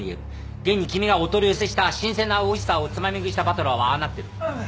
現に君がお取り寄せした新鮮なオイスターをつまみ食いしたバトラーはああなってる。